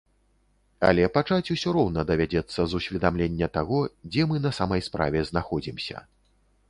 Але пачаць усё роўна давядзецца з усведамлення таго, дзе мы на самай справе знаходзімся.